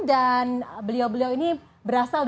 dan beliau beliau ini berasal dari belanda